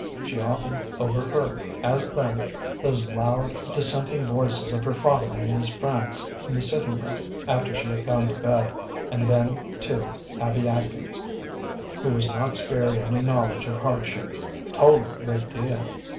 She often overheard, as then, those loud, dissenting voices of her father and his friends in the sitting room, after she had gone to bed; and then, too, Abby Atkins, who was not spared any knowledge of hardship, told her a good deal.